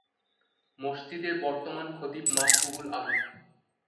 মসজিদের বর্তমান খতিব মাহবুবুল আলম।